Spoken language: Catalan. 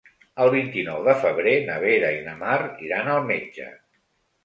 El vint-i-nou de febrer na Vera i na Mar iran al metge.